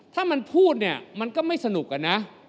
ถ้ามันพูดเนี่ยมันก็ไม่สนุกอะนะ